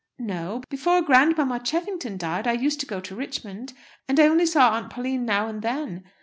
"No; before Grandmamma Cheffington died I used to go to Richmond, and I only saw Aunt Pauline now and then.